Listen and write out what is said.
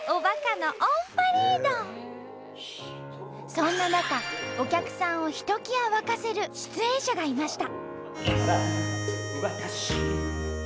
そんな中お客さんをひときわ沸かせる出演者がいました。